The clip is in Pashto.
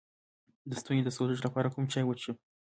د ستوني د سوزش لپاره کوم چای وڅښم؟